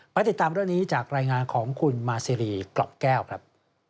ติดตามเรื่องนี้จากรายงานของคุณมาซีรีกรอบแก้วครับ